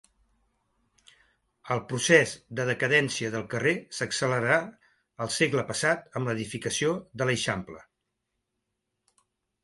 El procés de decadència del carrer s'accelerà al segle passat amb l'edificació de l'Eixample.